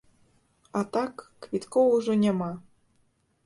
А так, квіткоў ужо няма.